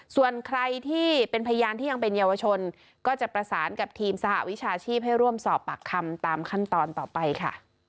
ส่วนใครที่เป็นพยานที่ยังเป็นเยาวชนก็จะประสานกับทีมสหวิชาชีพให้ร่วมสอบปากคำตามขั้นตอนต่อไปค่ะ